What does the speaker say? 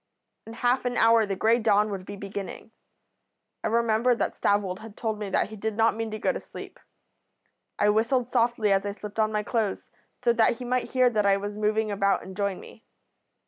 In half an hour the grey dawn would be beginning. I remembered that Stavold had told me that he did not mean to go to sleep. I whistled softly as I slipped on my clothes, so that he might hear that I was moving about and join me.